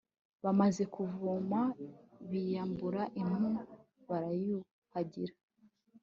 bamaze kuvoma biyambura impu bariyuhagira